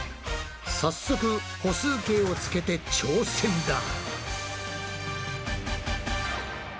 早速歩数計をつけて挑戦だ。